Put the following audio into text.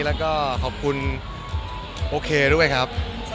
แล้วก็ขอบคุณโอเคด้วยครับ